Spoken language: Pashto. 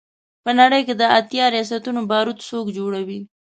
په نړۍ کې د اتیا ریاستونو بارود څوک جوړوي.